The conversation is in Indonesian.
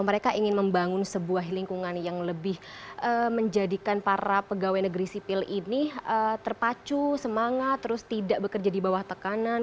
mereka ingin membangun sebuah lingkungan yang lebih menjadikan para pegawai negeri sipil ini terpacu semangat terus tidak bekerja di bawah tekanan